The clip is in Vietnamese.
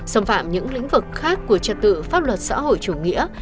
xâm phạm những lĩnh vực khác của trật tự pháp luật xã hội chủ nghĩa